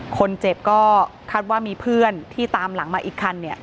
คนเจ็บก็คาดว่ามีเพื่อนที่ตามหลังมาอีกคันเนี่ย